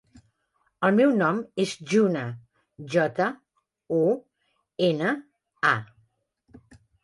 El meu nom és Juna: jota, u, ena, a.